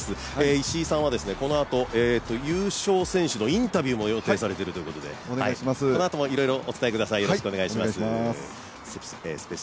石井さんはこのあと優勝選手のインタビューも予定されているということでこのあともいろいろお伝えください。